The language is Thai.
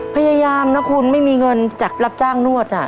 พยายามนะคุณไม่มีเงินจากรับจ้างนวด